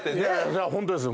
ホントですよ。